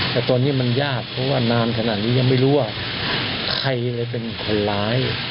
แต่ตอนนี้มันยากเพราะว่านานขนาดนี้ยังไม่รู้ว่าใครเลยเป็นคนร้าย